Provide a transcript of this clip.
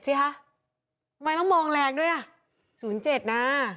ทำไมต้องมองแรงด้วยศูนย์เจ็ดนะ